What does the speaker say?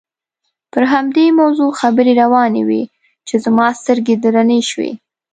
پر همدې موضوع خبرې روانې وې چې زما سترګې درنې شوې.